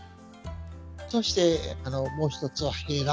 そしてもう一つはヘラ。